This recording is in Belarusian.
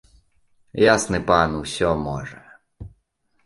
Ясны пан усё можа.